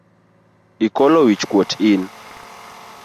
Ikolo wich kuot in.